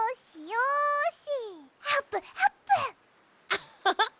アッハハ！